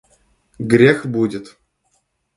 Грех будет.